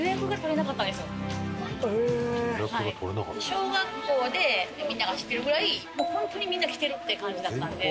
小学校でみんなが知ってるぐらいもう本当にみんな来てるって感じだったんで。